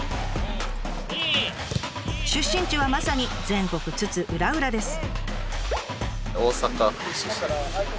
出身地はまさに全国津々浦々です。